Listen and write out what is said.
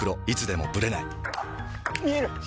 いつでもブレない見える！